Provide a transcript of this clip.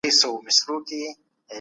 عزتمن خلک تل د مظلومانو ننګه کوی.